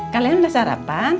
kalian udah sarapan